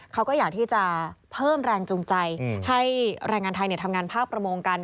เขาก็อยากที่จะเพิ่มแรงจูงใจให้แรงงานไทยทำงานภาคประมงกัน